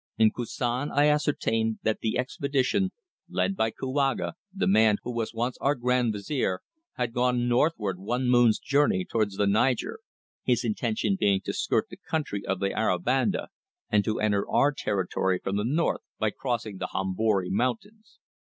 "In Koussan I ascertained that the expedition, led by Kouaga, the man who was once our Grand Vizier, had gone northward one moon's journey towards the Niger, his intention being to skirt the country of the Aribanda and to enter our territory from the north by crossing the Hombori Mountains."